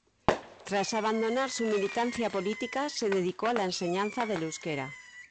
Tras abandonar su militancia política, se dedicó a la enseñanza del euskera.